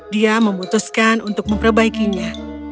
dia memutuskan untuk memperbaikinya